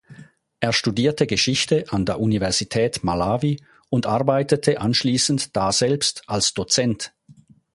Er studierte Geschichte an der Universität Malawi und arbeitete anschließend daselbst als Dozent.